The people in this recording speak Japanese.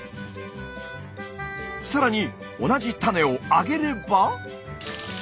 さらに同じタネを揚げれば。